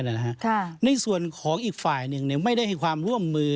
ในส่วนของอีกฝ่ายหนึ่งไม่ได้ให้ความร่วมมือ